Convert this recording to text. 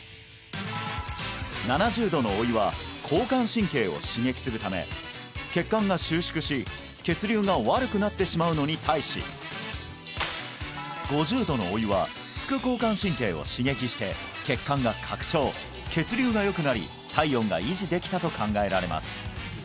７０度のお湯は交感神経を刺激するため血管が収縮し血流が悪くなってしまうのに対し５０度のお湯は副交感神経を刺激して血管が拡張血流がよくなり体温が維持できたと考えられます